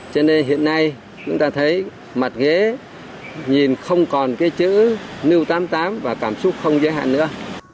cho nên hiện nay chúng ta thấy mặt ghế nhìn không còn cái chữ niêu tám mươi tám và cảm xúc không giới hạn nữa